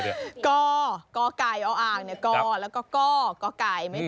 กแล้วก็กกก